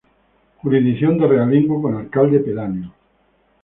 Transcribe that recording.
Jurisdicción de realengo con alcalde pedáneo.